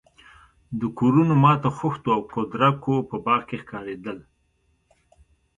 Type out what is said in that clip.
د کورونو ماتو خښتو او کودرکو په باغ کې ښکارېدل.